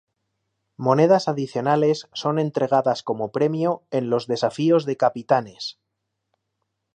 Monedas adicionales son entregadas como premio en los desafíos de capitanes.